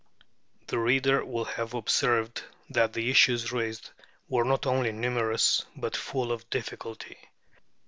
The reader will have observed that the issues raised were not only numerous, but full of difficulty.